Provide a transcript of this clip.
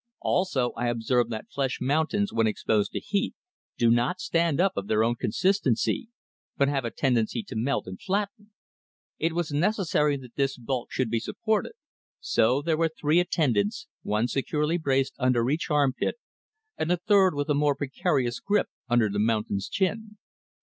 Also I observed that flesh mountains when exposed to heat do not stand up of their own consistency, but have a tendency to melt and flatten; it was necessary that this bulk should be supported, so there were three attendants, one securely braced under each armpit, and the third with a more precarious grip under the mountain's chin.